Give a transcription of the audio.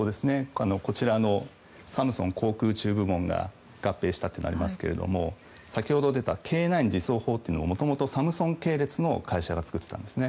こちらのサムスン航空宇宙部門が合併したというのがありますけど先ほど出たＫ９自走砲というのはもともとサムスン系列の会社が作っていたんです。